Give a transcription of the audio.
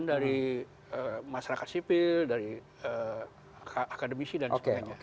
dari masyarakat sipil dari akademisi dan sebagainya